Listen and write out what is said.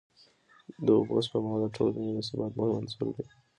د اوبو سپما د ټولني د ثبات مهم عنصر دی.